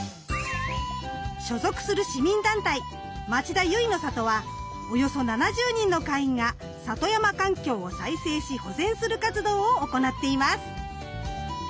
所属する市民団体「まちだ結の里」はおよそ７０人の会員が里山環境を再生し保全する活動を行っています。